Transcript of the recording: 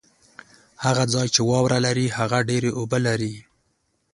هغه ځای چې واوره لري ، هغه ډېري اوبه لري